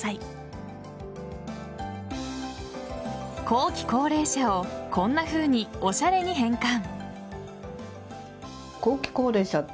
後期高齢者をこんなふうに、おしゃれに変換。